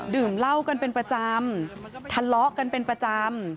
ดื่มเหล้ากันเป็นประจำทะเลาะกันเป็นประจำ